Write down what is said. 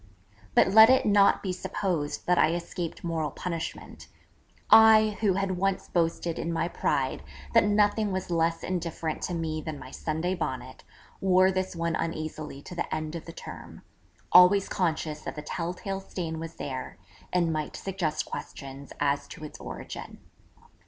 But let it not be supposed that I escaped moral punishment: I, who had once boasted in my pride that nothing was less indifferent to me than my Sunday Bonnet, wore this one uneasily to the end of the term, always conscious that the tell tale stain was there, and might suggest questions as to its origin.